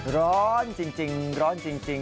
ร้อนจริง